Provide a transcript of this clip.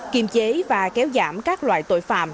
kiềm chế và kéo giảm các loại tội phạm